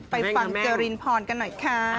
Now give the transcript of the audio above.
ไปฟังเจรินพรกันหน่อยค่ะ